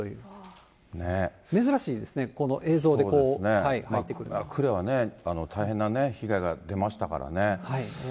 珍しいですね、この映像で、呉はね、大変な被害が出ましたからね。